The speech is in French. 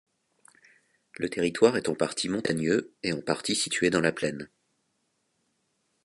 Le territoire est en partie montagneux et en partie situé dans la plaine.